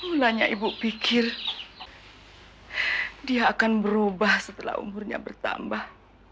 mulanya ibu pikir dia akan berubah setelah umurnya bertambah